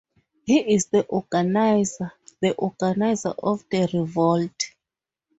He is the organiser — the organiser of the revolt.